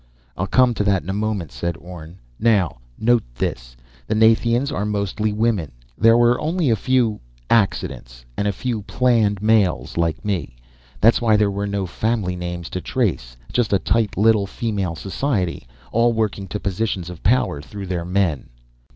"I'll come to that in a moment," said Orne. "Now, note this: the Nathians are mostly women. There were only a few accidents and a few planned males, like me. That's why there were no family names to trace just a tight little female society, all working to positions of power through their men."